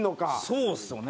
そうですよね。